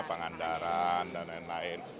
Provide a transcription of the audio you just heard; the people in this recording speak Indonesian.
pangandaran dan lain lain